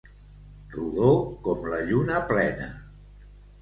Rodó com la lluna plena.